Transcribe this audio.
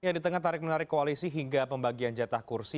di tengah tarik menarik koalisi hingga pembagian jatah kursi